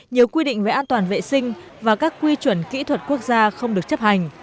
nhiều quy định về an toàn vệ sinh và các quy chuẩn kỹ thuật quốc gia không được chấp hành